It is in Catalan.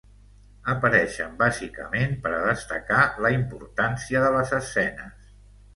Apareixen bàsicament per a destacar la importància de les escenes.